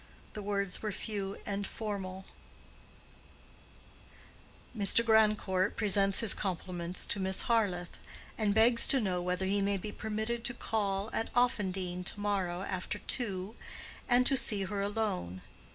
The words were few and formal: Mr. Grandcourt presents his compliments to Miss Harleth, and begs to know whether he may be permitted to call at Offendene to morrow after two and to see her alone.